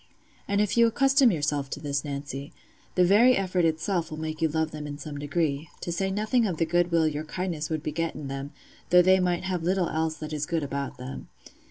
And if you accustom yourself to this, Nancy, the very effort itself will make you love them in some degree—to say nothing of the goodwill your kindness would beget in them, though they might have little else that is good about them.